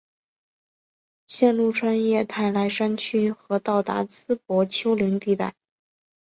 线路穿越泰莱山区和到达淄博丘陵地带。